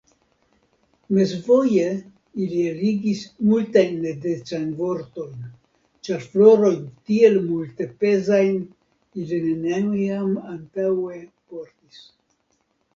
Mezvoje ili eligis multajn nedecajn vortojn, ĉar florojn tiel multepezajn ili neniam antaŭe portis.